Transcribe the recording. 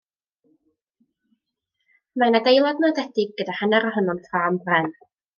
Mae'n adeilad nodedig gyda hanner ohono'n ffrâm bren.